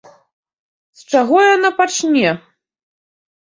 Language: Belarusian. З чаго яна пачне?